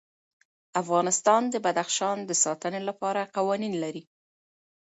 افغانستان د بدخشان د ساتنې لپاره قوانین لري.